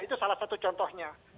itu salah satu contohnya